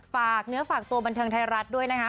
ฝากเนื้อฝากตัวบันเทิงไทยรัฐด้วยนะคะ